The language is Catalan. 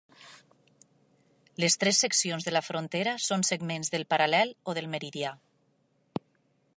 Les tres seccions de la frontera són segments del paral·lel o del meridià.